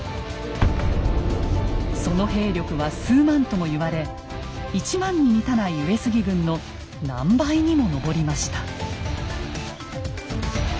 その兵力は数万とも言われ１万に満たない上杉軍の何倍にも上りました。